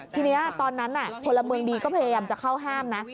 ทีนี้ตอนนั้นพลเมืองดีก็พยายามจะเข้าห้ามนะ